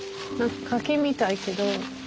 何か柿みたいけど。